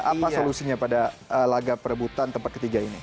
apa solusinya pada lagaperebutan tempat ketiga ini